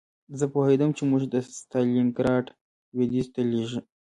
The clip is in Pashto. زه پوهېدم چې موږ د ستالینګراډ لویدیځ ته لېږي